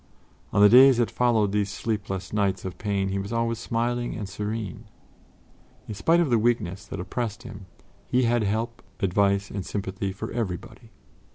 On the days that followed these sleepless nights of pain, he was always smiling and serene. In spite of the weakness that oppressed him, he had help, advice and sympathy for everybody.